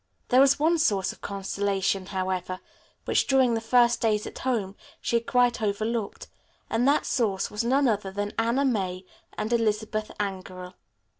There was one source of consolation, however, which during the first days at home she had quite overlooked, and that source was none other than Anna May and Elizabeth Angerell.